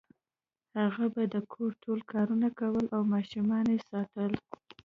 هغه به د کور ټول کارونه کول او ماشومان یې ساتل